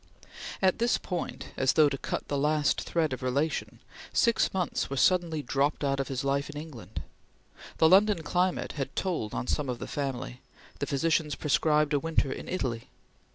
At this point, as though to cut the last thread of relation, six months were suddenly dropped out of his life in England. The London climate had told on some of the family; the physicians prescribed a winter in Italy.